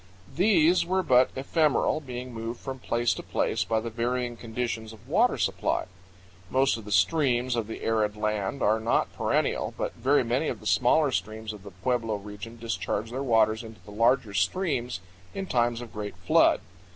These were but ephemeral, being moved from place to place by the varying conditions of water supply. Most of the streams of the arid land are not perennial, but very many of the smaller streams of the pueblo region discharge their waters into the larger streams in times of great flood.